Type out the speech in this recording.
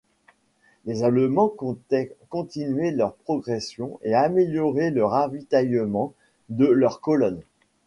Les Allemands comptaient continuer leur progression et améliorer le ravitaillement de leurs colonnes.